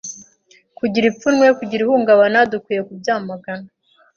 kugira ipfunwe kugira ihungabana dukwiyekubyamagana